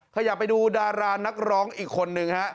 ขยับไปดูดารานักร้องอีกคนนึงฮะ